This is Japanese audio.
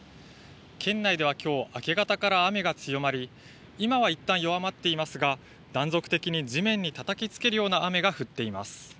県内ではきょう明け方から雨が強まり今はいったん弱まっていますが断続的に地面にたたきつけるような雨が降っています。